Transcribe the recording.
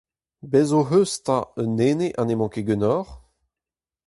Bez' hoc'h eus 'ta un ene ha n'emañ ket ganeoc'h ?